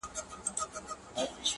کرۍ شپه به وه پرانیستي دوکانونه-